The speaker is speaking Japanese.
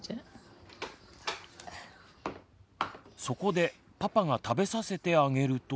そこでパパが食べさせてあげると。